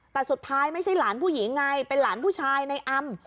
แต่สุดท้ายไม่ใช่หลานผู้หญิงไงเป็นหลานผู้ชายในอำ